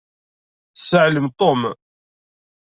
Sseɛlem Tom.